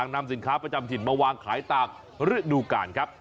นำสินค้าประจำถิ่นมาวางขายตามฤดูกาลครับ